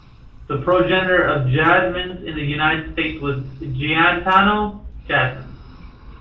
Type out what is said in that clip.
The progenitor of the Jasmines in the United States was Gaetano Jasmine.